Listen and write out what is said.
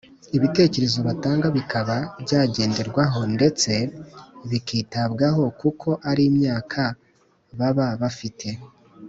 ibitekerezo batanga bikaba byagenderwaho ndetse bikitabwaho kuko ari imyaka baba bafite